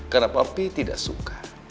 karena papi tidak suka